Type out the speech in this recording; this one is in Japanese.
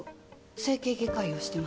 整形外科医をしてます。